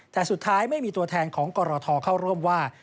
แต่สุดท้ายไม่มีตัวแทนของกรทเข้าร่วมว่า